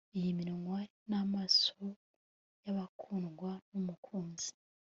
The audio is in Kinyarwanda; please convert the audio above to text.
iyi minwa n'amaso y'abakundwa n'umukunzi